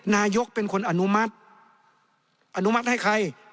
นายกเป็นคนอนุมัติอนุมัติให้ใคร